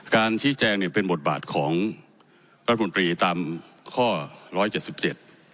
การชี้แจงเนี่ยเป็นบทบาทของรัฐมนตรีตามข้อร้อยเจ็ดสิบเจ็ด